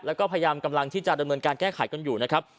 แล้วก็พยายามกำลังที่จะดำเนินการแก้ไขกันอยู่นะครับ